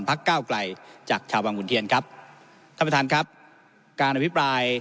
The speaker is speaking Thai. ก้าวไกลจากชาวบางขุนเทียนครับท่านประธานครับการอภิปราย